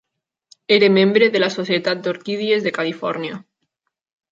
Era membre de la Societat d'Orquídies de Califòrnia.